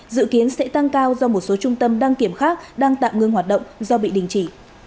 dự kiến sẽ tăng cao do một số trung tâm đăng kiểm khác đang tạm ngưng hoạt động do bị đình chỉ